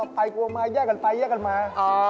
ไปกว่ามาแย่กันไปแย่กันมา